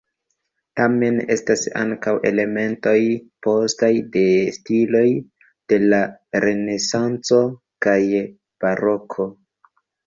Tamen estas ankaŭ elementoj postaj, de stiloj de la renesanco kaj baroko.